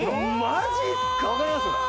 マジすか！？わかります？